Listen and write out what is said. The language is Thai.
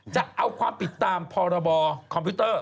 จะเอาความผิดตามพรบคอมพิวเตอร์